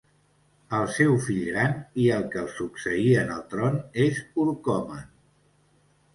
El seu fill gran i el que el succeí en el tron és Orcomen.